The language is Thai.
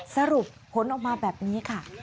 สรุปผลออกมาแบบนี้ค่ะ